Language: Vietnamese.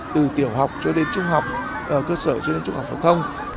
từ tiểu học cho đến trung học cơ sở cho đến trung học phổ thông